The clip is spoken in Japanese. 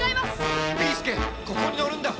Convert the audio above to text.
ビーすけここに乗るんだ！